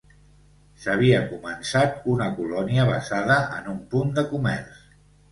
S'havia començat una colònia basada en un punt de comerç.